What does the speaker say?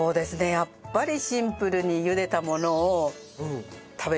やっぱりシンプルにゆでたものを食べる。